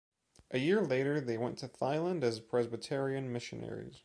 A year later, they went to Thailand as Presbyterian missionaries.